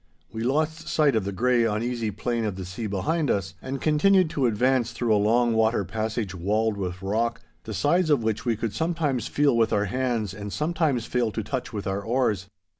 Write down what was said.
We lost sight of the grey, uneasy plain of the sea behind us, and continued to advance through a long water passage walled with rock, the sides of which we could sometimes feel with our hands and sometimes fail to touch with our oars.